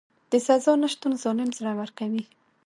د سزا نشتون ظالم زړور کوي.